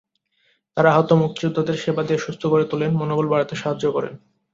তঁারা আহত মুক্তিযোদ্ধাদের সেবা দিয়ে সুস্থ করে তোলেন, মনোবল বাড়াতে সাহায্য করেন।